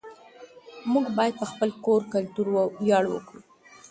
موږ باید په خپل کلتور ویاړ وکړو.